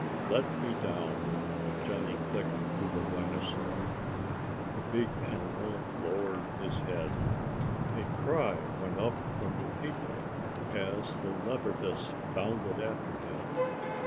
"Let me down," Johnny clicked to the rhinosaur. The big animal lowered his head. A cry went up from the people as the leopardess bounded after him.